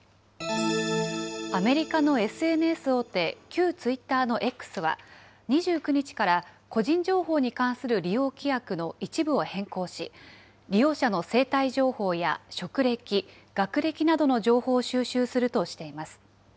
アメリカのＳＮＳ大手、旧ツイッターのＸは、２９日から個人情報に関する利用規約の一部を変更し、利用者の生体情報や職歴、学歴などの情報を収集するとしています。